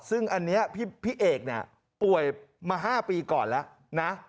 ซึ่งอันนี้พี่เอกป่วยมา๕ปีก่อนแล้ว